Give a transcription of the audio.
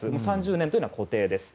３０年というのは固定です。